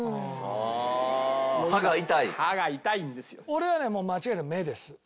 俺はねもう間違いなく目です。